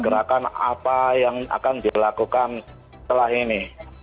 gerakan apa yang akan dilakukan setelah ini